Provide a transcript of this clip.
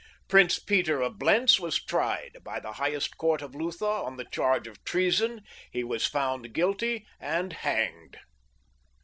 Prince Peter of Blentz was tried by the highest court of Lutha on the charge of treason; he was found guilty and hanged.